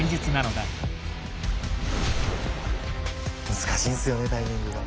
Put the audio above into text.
難しいんですよねタイミングが。